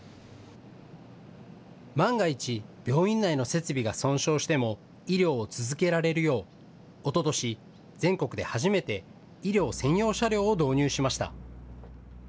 万が一、病院内の設備が損傷しても医療を続けられるようおととし、全国で初めて医療専用車両を導入しました。